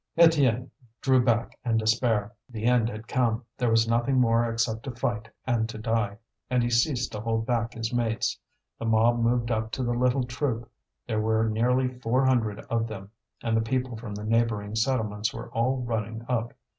Étienne drew back in despair. The end had come; there was nothing more except to fight and to die. And he ceased to hold back his mates. The mob moved up to the little troop. There were nearly four hundred of them, and the people from the neighbouring settlements were all running up.